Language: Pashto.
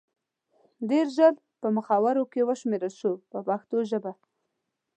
ډېر ژر په مخورو کې وشمېرل شو په پښتو ژبه.